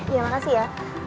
ya makasih ya